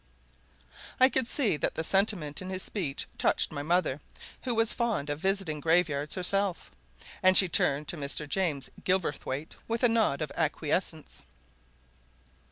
I could see that the sentiment in his speech touched my mother, who was fond of visiting graveyards herself, and she turned to Mr. James Gilverthwaite with a nod of acquiescence.